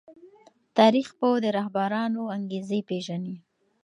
تاريخ پوه د رهبرانو انګېزې پېژني.